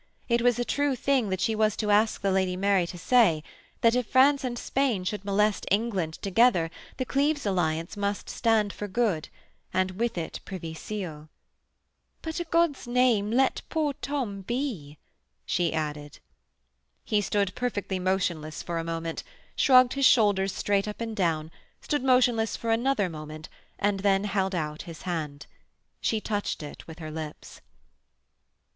It was a true thing that she was to ask the Lady Mary to say that if France and Spain should molest England together the Cleves alliance must stand for good and with it Privy Seal. 'But, a' God's name, let poor Tom be,' she added. He stood perfectly motionless for a moment, shrugged his shoulders straight up and down, stood motionless for another moment, and then held out his hand. She touched it with her lips.